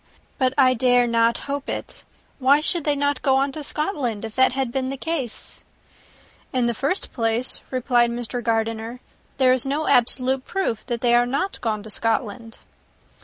But I dare not hope it. Why should they not go on to Scotland, if that had been the case?" "In the first place," replied Mr. Gardiner, "there is no absolute proof that they are not gone to Scotland."